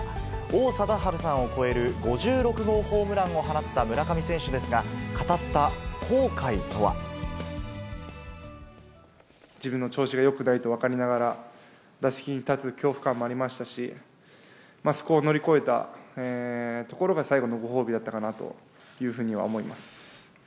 王貞治さんを超える５６号ホームランを放った村上選手ですが、語った後悔とは。自分の調子がよくないと分かりながら、打席に立つ恐怖感もありましたし、そこを乗り越えたところが、最後のご褒美だったかなというふうには思います。